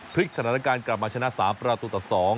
พลิกสถานการณ์กลับมาชนะ๓ประตูต่อ๒